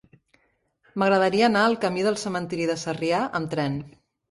M'agradaria anar al camí del Cementiri de Sarrià amb tren.